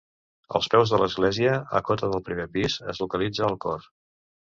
Als peus de l'església -a cota del primer pis- es localitza el cor.